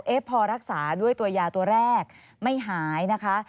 พอรักษาด้วยตัวยาตัวแรกไม่หายนะคะ